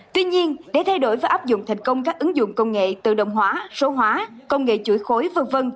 tuy nhiên để thay đổi và áp dụng thành công các ứng dụng công nghệ tự động hóa số hóa công nghệ chuỗi khối v v